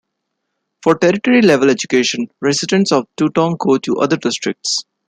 For tertiary-level education, residents of the Tutong go to other districts.